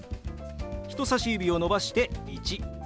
人さし指を伸ばして「１」。